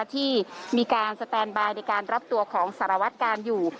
ที่มีการสแตนบายในการรับตัวของสารวัตกาลอยู่